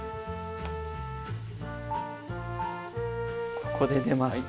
ここで出ました